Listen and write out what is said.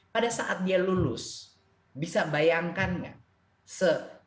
pada saat dia lulus bisa bayangkan nggak se